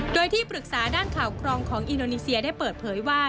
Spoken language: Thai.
โดยที่ปรึกษาด้านข่าวครองของอินโดนีเซียได้เปิดเผยว่า